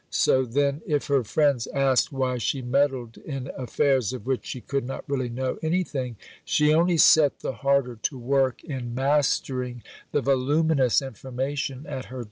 So, then, if her friends asked why she meddled in affairs of which she could not really know anything, she only set the harder to work in mastering the voluminous information at her disposal.